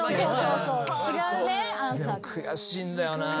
でも悔しいんだよなぁ。